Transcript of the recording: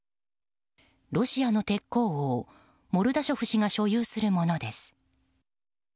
ロシアの鉄鋼王モルダショフ氏が所有するものです。